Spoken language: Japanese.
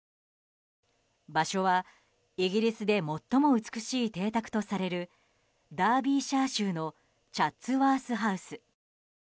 場所はイギリスで最も美しい邸宅とされるダービーシャー州のチャッツワース・ハウス。